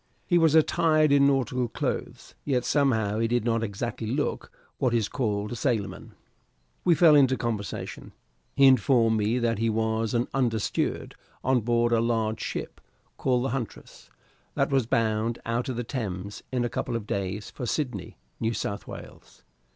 He was attired in nautical clothes, yet somehow he did not exactly look what is called a sailor man. We fell into conversation. He informed me that he was an under steward on board a large ship called the "Huntress," that was bound out of the Thames in a couple of days for Sydney, New South Wales.